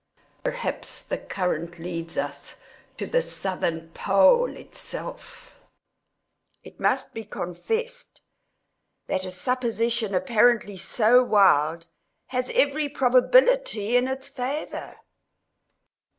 Perhaps this current leads us to the southern pole itself. It must be confessed that a supposition apparently so wild has every probability in its favor.